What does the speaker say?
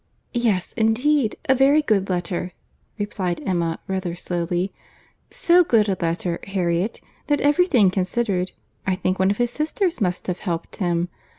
"Yes, indeed, a very good letter," replied Emma rather slowly—"so good a letter, Harriet, that every thing considered, I think one of his sisters must have helped him.